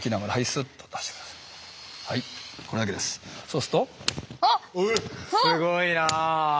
すごいなあ。